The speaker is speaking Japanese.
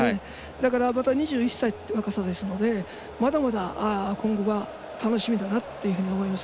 だから、まだ２１歳という若さですのでまだまだ今後が楽しみだなと思います。